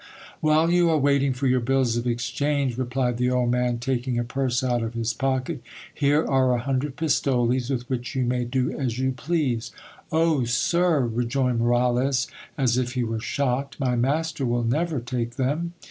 While you are waiting for your bills of exchange, replied the old man, taking a purse out of his pocket, here are a hundred pistoles with which you may 174 GIL BLAS. do as you please. Oh, sir ! rejoined Moralez, as if he were shocked, my master will never take them.